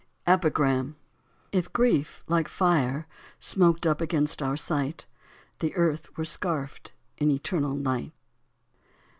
EPIGRAM If grief, like fire, smoked up against our sight, The Earth were scarfèd in eternal night.